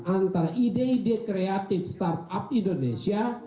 antara ide ide kreatif startup indonesia